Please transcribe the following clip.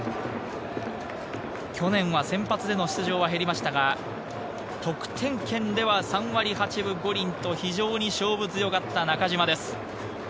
去年は先発での出場は減りましたが、得点圏では３割８分５厘と非常に勝負強かった中島です。